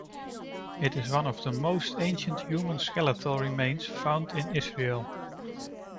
It is one of the most ancient human skeletal remains found in Israel.